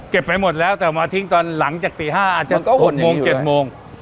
ไปหมดแล้วแต่มาทิ้งตอนหลังจากตี๕อาจจะ๖โมง๗โมง